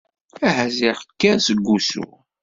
Aha ziɣ kker seg wusu!